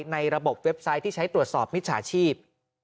ในระบบเว็บไซต์ที่ใช้ตรวจสอบมิจฉาชีพ